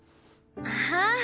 ああ。